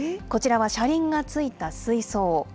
こちらは車輪が付いた水槽。